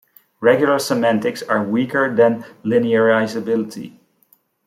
Regular semantics are weaker than linearizability.